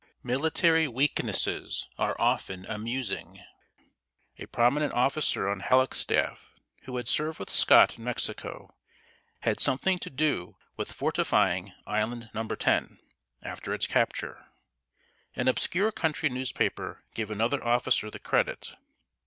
Military weaknesses are often amusing. A prominent officer on Halleck's staff, who had served with Scott in Mexico, had something to do with fortifying Island Number Ten, after its capture. An obscure country newspaper gave another officer the credit.